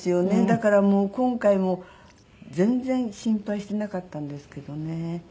だからもう今回も全然心配していなかったんですけどね。